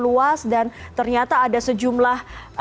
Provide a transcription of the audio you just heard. luas dan ternyata ada sejumlah